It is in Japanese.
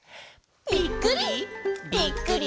ぴっくり！